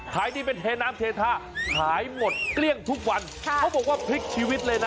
ขายดีเป็นเทน้ำเททาขายหมดเกลี้ยงทุกวันเขาบอกว่าพลิกชีวิตเลยนะ